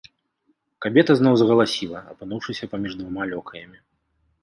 Кабета зноў загаласіла, апынуўшыся паміж двума лёкаямі.